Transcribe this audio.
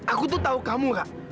aku tuh tahu kamu kak